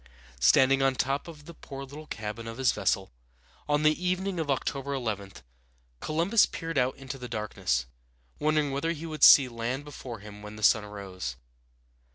Standing on top of the poor little cabin of his vessel, on the evening of October 11, Columbus peered out into the darkness, wondering whether he would see land before him when the sun rose.